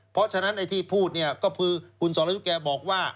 เพราะฉะนั้นในที่พูดก็คือคุณสองรายุทธิ์แกบอกว่า